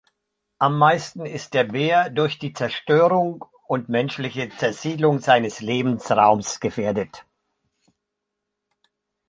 Am meisten ist der Bär durch die Zerstörung und menschliche Zersiedlung seines Lebensraums gefährdet.